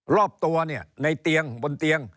รอบตัวในเตียงบนเตียง